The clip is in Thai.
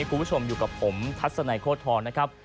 คุณผู้ชมอยู่กับผมทัศน์ไหนโคทธรนะครับ